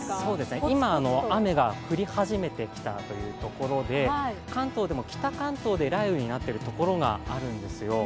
今、雨が降り始めてきたというところで、関東でも北関東で雷雨になっている所があるんですよ。